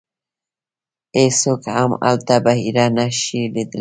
هېڅوک هم ټوله بحیره نه شي لیدلی .